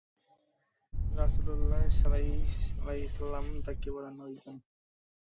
রাসূলুল্লাহ সাল্লাল্লাহু আলাইহি ওয়াসাল্লাম তাকে প্রাধান্য দিতেন।